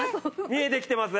見えてきてます？